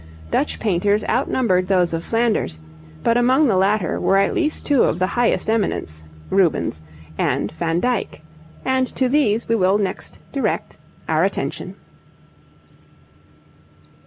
Dutch painters outnumbered those of Flanders, but among the latter were at least two of the highest eminence, Rubens and Van Dyck, and to these we will next direct our attention.